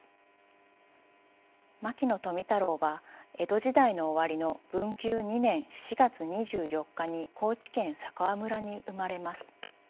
牧野富太郎は江戸時代の終わりの文久２年４月２４日に高知県佐川村に生まれます。